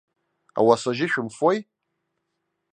Ауасажьы шәымфои?